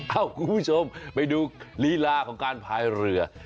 คุณผู้ชมไปดูลีลาของการพายเรือ